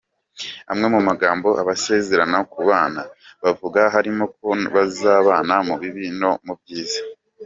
Amwe mu magambo abasezerana kubana bavuga harimo ko bazabana mu bibi no mu byiza.